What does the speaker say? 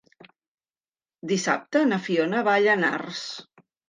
Dissabte na Fiona va a Llanars.